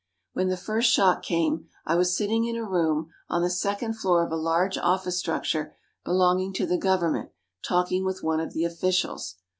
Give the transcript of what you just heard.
When the first shock came, I was sitting in a room on the second floor of a large office structure, belonging to the government, talking with one of the officials.